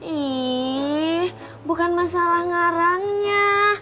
ih bukan masalah ngarangnya